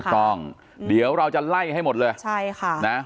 ถูกต้องเดี๋ยวเราจะไล่ให้หมดเลยใช่ค่ะนะ